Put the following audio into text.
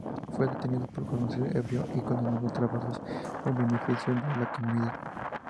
Fue detenido por conducir ebrio y condenado a trabajos en beneficio de la comunidad.